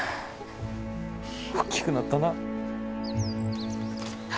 おっきくなったなぁ。